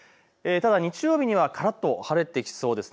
ただ、日曜日にはからっと晴れてきそうです。